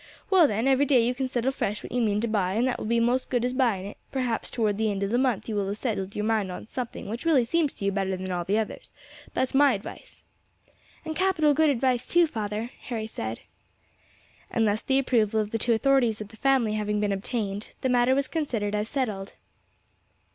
Well then, every day you can settle fresh what you mean to buy, and that will be most as good as buying it; perhaps towards the end of the month you will have settled yer mind on to something which really seems to you better than all the others: that's my advice." "And capital good advice too, father," Harry said. And thus the approval of the two authorities of the family having been obtained, the matter was considered as settled.